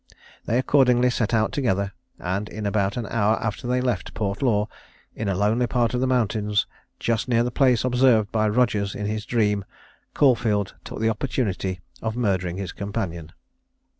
They accordingly set out together; and in about an hour after they left Portlaw, in a lonely part of the mountain, just near the place observed by Rogers in his dream, Caulfield took the opportunity of murdering his companion.